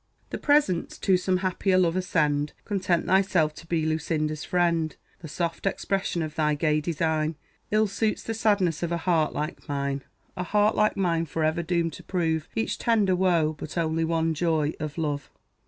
Thy presents to some happier lover send; Content thyself to be Lucinda's friend. The soft expression of thy gay design Ill suits the sadness of a heart like mine A heart like mine, forever doomed to prove Each tender woe, but not one joy of love.